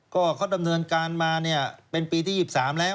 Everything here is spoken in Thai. ก็เขาดำเนินการมาเป็นปีที่๒๓แล้ว